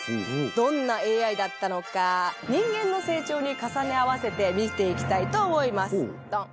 どんなＡＩだったのか。に重ね合わせて見ていきたいと思いますドン。